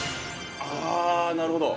◆あぁなるほど。